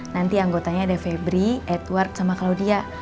nanti anggotanya ada febri edward sama claudia